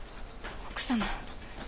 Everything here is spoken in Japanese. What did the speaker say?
奥様。